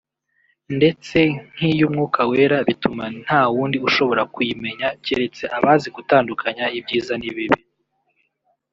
ndetse nk’iy’Umwuka Wera bituma nta wundi ushobora kuyimenya keretse abazi gutandukanya ibyiza n’ibibi